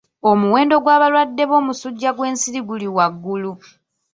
Omuwendo gw'abalwadde b'omusujja gw'ensiri guli waggulu.